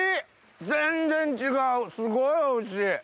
全然違うすごいおいしい。